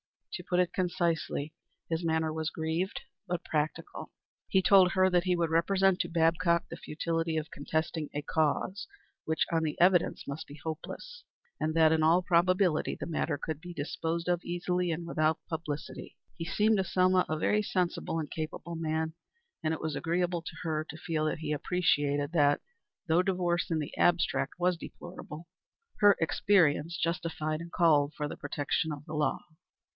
To put it concisely, his manner was grieved, but practical. He told her that he would represent to Babcock the futility of contesting a cause, which, on the evidence, must be hopeless, and that, in all probability, the matter could be disposed of easily and without publicity. He seemed to Selma a very sensible and capable man, and it was agreeable to her to feel that he appreciated that, though divorce in the abstract was deplorable, her experience justified and called for the protection of the law.